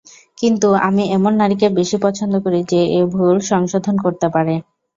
কিন্তু, আমি এমন নারীকে বেশি পছন্দ করি যে এই ভুল সংশোধন করতে পারে।